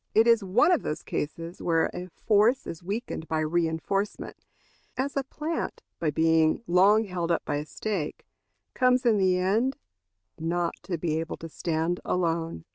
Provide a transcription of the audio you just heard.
It is one of those cases where a force is weakened by reinforcement as a plant, by being long held up by a stake, comes in the end not to be able to stand alone.